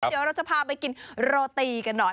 เดี๋ยวเราจะพาไปกินโรตีกันหน่อย